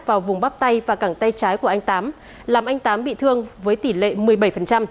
vào vùng bắp tay và cẳng tay trái của anh tám làm anh tám bị thương với tỷ lệ một mươi bảy